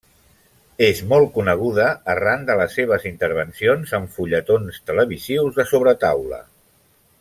És molt coneguda arran de les seves intervencions en fulletons televisius de sobretaula.